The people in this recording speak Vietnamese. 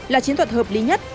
là chiến thuật hợp lý nhất